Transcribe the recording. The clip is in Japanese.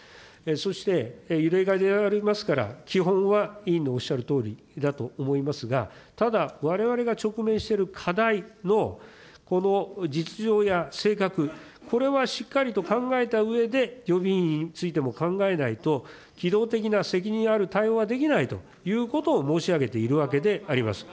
そして、例外でありますから、基本は委員のおっしゃるとおりだと思いますが、ただ、われわれが直面している課題の、この実情や性格、これはしっかりと考えたうえで、予備費についても考えないと、機動的な責任ある対応はできないということを申し上げているわけであります。